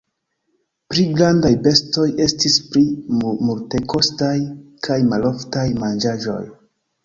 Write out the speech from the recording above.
Pli grandaj bestoj estis pli multekostaj kaj maloftaj manĝaĵoj.